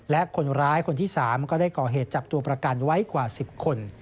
และคนร้ายคนที่๓ก็ได้ก่อเหตุจับตัวประกันไว้กว่า๑๐คน